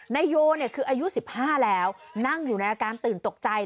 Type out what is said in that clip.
นายโยเนี่ยคืออายุสิบห้าแล้วนั่งอยู่ในอาการตื่นตกใจ